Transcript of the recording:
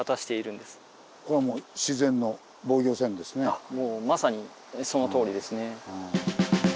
あっもうまさにそのとおりですね。